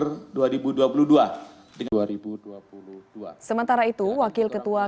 negara diduga merugikan negara senilai satu ratus enam belas delapan miliar